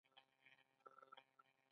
هېڅ انسان په ټولو شیانو نه شي پوهېدلی.